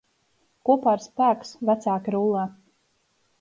Kopā ir spēks, vecāki rullē.